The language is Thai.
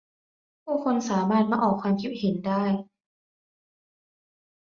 ผู้คนสามารถมาออกความคิดเห็นได้